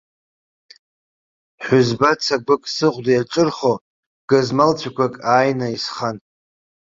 Ҳәызба цагәык сыхәда иаҿырхо, гызмалцәақәак ааины исхан.